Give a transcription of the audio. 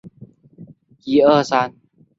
常栖息在潮间带至潮下带。